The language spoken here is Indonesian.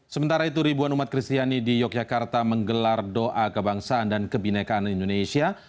sementara itu ribuan umat kristiani di yogyakarta menggelar doa kebangsaan dan kebinekaan indonesia